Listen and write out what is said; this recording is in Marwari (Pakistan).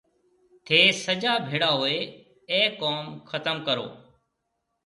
ٿَي سجا ڀيڙا هوئي اَي ڪوم ختم ڪرون۔